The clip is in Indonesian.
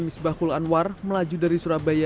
misbah kul anwar melaju dari surabaya